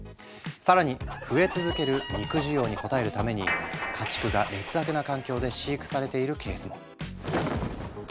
更に増え続ける肉需要に応えるために家畜が劣悪な環境で飼育されているケースも。